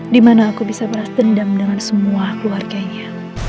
dimana aku bisa beras dendam dengan semua keluarganya